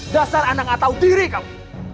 dasar anak gak tau diri kamu